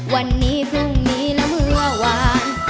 วันนี้พรุ่งนี้นะเมื่อวาน